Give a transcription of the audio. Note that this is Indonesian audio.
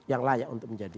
yang layak untuk menjadi